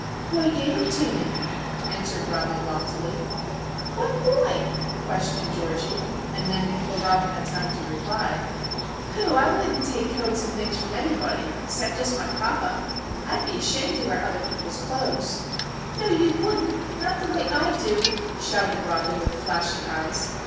"Boy gave 'em to me," answered Robin, loftily. "What boy?" questioned Georgie. And then before Robin had time to reply,—"Pooh! I wouldn't take coats an' things from anybody, 'cept just my papa. I'd be ashamed to wear other people's clothes!" "No, you wouldn't! Not the way I do!" shouted Robin, with flashing eyes.